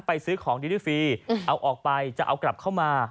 ซื้อของดีด้วยฟรีเอาออกไปจะเอากลับเข้ามา